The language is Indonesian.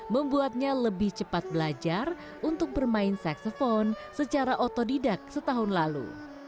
membuatnya lebih cepat belajar untuk bermain seksephone secara otodidak setahun lalu